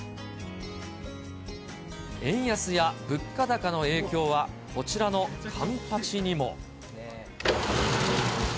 円安や物価高の影響は、こちらのカンパチにも。